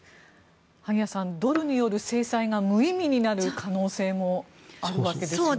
萩谷さん、ドルによる制裁が無意味になる可能性もあるわけですよね。